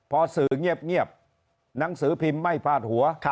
พอสื่อเงียบหนังสือพิมพ์ไม่พาดหัว